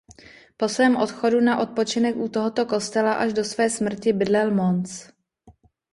Po svém odchodu na odpočinek u tohoto kostela až do své smrti bydlel Mons.